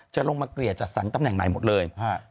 จะลงมาเกลี่ยจัดสรรตำแหน่งใหม่หมดเลย